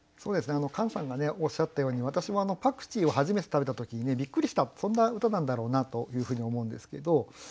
カンさんがおっしゃったように私もパクチーを初めて食べた時にびっくりしたそんな歌なんだろうなというふうに思うんですけど